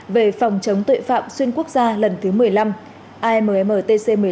về phòng chống tội phạm xuyên quốc gia lần thứ một mươi năm ammtc một mươi năm và các hội nghị liên quan